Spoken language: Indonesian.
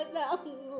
engga udah gak tangguh